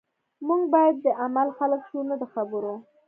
موږ باید د عمل خلک شو نه د خبرو